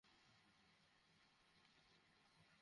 শিবার মুখটাকে একদম থেঁতলে দিয়েছে।